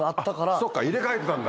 そうか、入れ替えてたんだ。